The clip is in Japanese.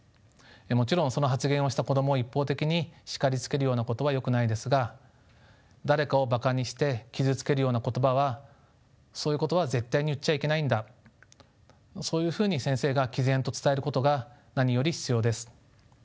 もちろんその発言をした子供を一方的に叱りつけるようなことはよくないですが誰かをバカにして傷つけるような言葉はそういうことは絶対に言っちゃいけないんだそういうふうに先生がきぜんと伝えることが何より必要です。